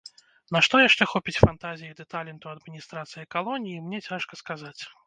На што яшчэ хопіць фантазіі ды таленту адміністрацыі калоніі, мне цяжка сказаць.